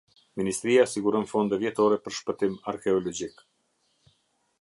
Ministria siguron fonde vjetore për shpëtim arkeologjik.